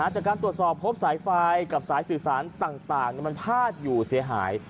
จากการตรวจสอบพบสายไฟกับสายสื่อสารต่างมันพาดอยู่เสียหาย